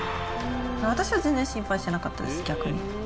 私は全然心配してなかったです、逆に。